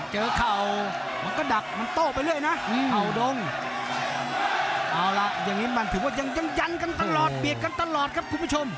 จับแข็งเปิดเกม